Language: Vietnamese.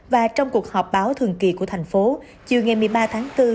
và trong cuộc họp báo thường kỳ của thành phố chiều ngày một mươi ba tháng bốn